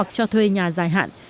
cho thuê nhà dài hạn